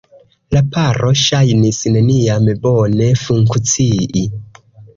La paro ŝajnis neniam bone funkcii.